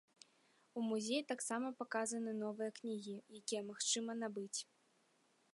У музеі таксама паказаны новыя кнігі, якія магчыма набыць.